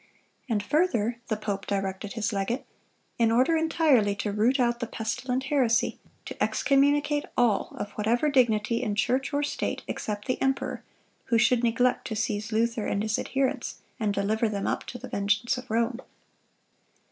(180) And further, the pope directed his legate, in order entirely to root out the pestilent heresy, to excommunicate all, of whatever dignity in church or state, except the emperor, who should neglect to seize Luther and his adherents, and deliver them up to the vengeance of Rome.